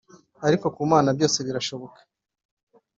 Ariko ku mana byose birashoboka